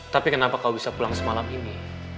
tapi kenapa kau bisa pulang semalam ini